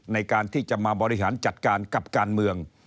ในการที่จะมาบริหารจัดการกับการเมือง